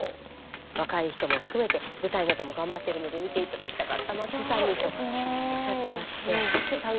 若い人も含めて舞台なども頑張ってるので見て頂きたかった牧瀬さんにとおっしゃってまして牧瀬さん